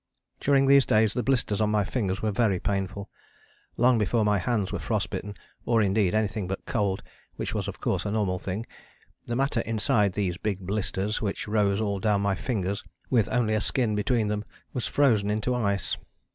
During these days the blisters on my fingers were very painful. Long before my hands were frost bitten, or indeed anything but cold, which was of course a normal thing, the matter inside these big blisters, which rose all down my fingers with only a skin between them, was frozen into ice.